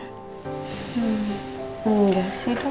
hmm enggak sih dong